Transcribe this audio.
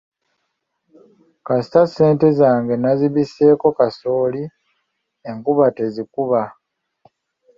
Kasita ssente zange nazibiseeko kasooli, enkuba tezikuba.